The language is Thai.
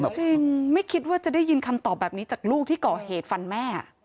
จริงไม่คิดว่าจะได้ยินคำตอบแบบนี้จากลูกที่ก่อเหตุฟันแม่